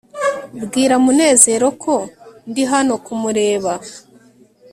bwira munezero ko ndi hano kumureba